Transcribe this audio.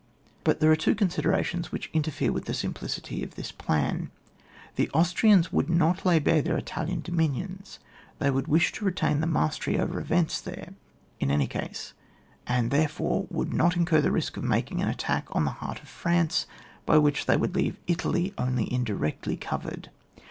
But there are two considerations which interfere with the simplicity of this plan. The Austrians would not lay bare their Italian dominions, they would wishtoretain the mastery over events there, in any case, and therefore would not incur the risk of making an attack on the heart of France, by which they woidd l^ave Italy only in directly covered.